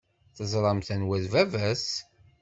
Teẓramt anwa i d baba-s?